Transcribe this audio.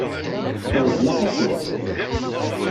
Ɛjel a Ḥasan.